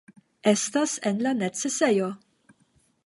Estas en la necesejo!